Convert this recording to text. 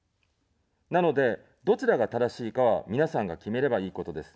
なので、どちらが正しいかは、皆さんが決めればいいことです。